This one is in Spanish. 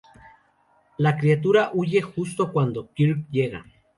La criatura huye justo cuando Kirk llega.